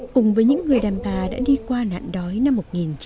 cùng với những người đàn bà đã đi qua nạn đói năm một nghìn chín trăm bốn mươi năm